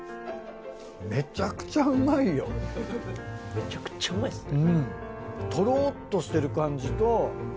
めちゃくちゃうまいですね。